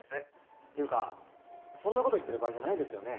っていうかそんなこと言ってる場合じゃないですよね？